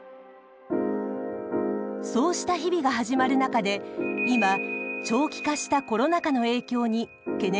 そうした日々が始まる中で今長期化したコロナ禍の影響に懸念が高まっています。